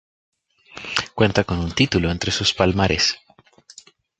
Cuenta con un título entre su palmares.